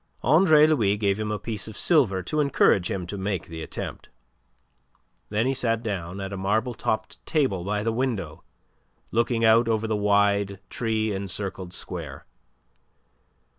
Andre Louis gave him a piece of silver to encourage him to make the attempt. Then he sat down at a marble topped table by the window looking out over the wide tree encircled square.